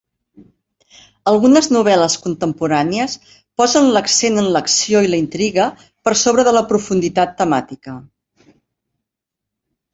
Algunes novel·les contemporànies posen l'accent en l'acció i la intriga per sobre de la profunditat temàtica.